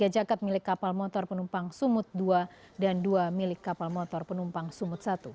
tiga jaket milik kapal motor penumpang sumut dua dan dua milik kapal motor penumpang sumut satu